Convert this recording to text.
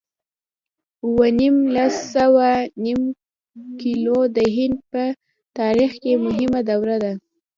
اووه نېم لس اووه نېم کلونه د هند په تاریخ کې مهمه دوره ده.